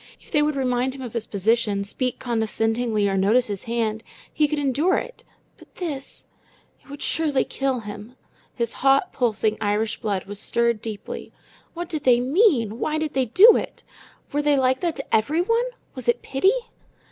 If they would remind him of his position, speak condescendingly, or notice his hand, he could endure it, but this it surely would kill him! His hot, pulsing Irish blood was stirred deeply. What did they mean? Why did they do it? Were they like that to everyone? Was it pity?